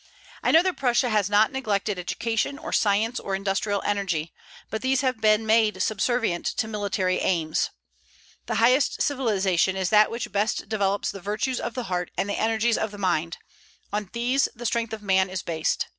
I know that Prussia has not neglected education, or science, or industrial energy; but these have been made subservient to military aims. The highest civilization is that which best develops the virtues of the heart and the energies of the mind: on these the strength of man is based.